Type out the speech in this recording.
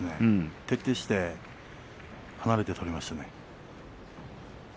徹底して離れて取りましたね。